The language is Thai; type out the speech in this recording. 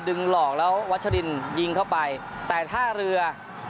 หลอกแล้ววัชรินยิงเข้าไปแต่ท่าเรือ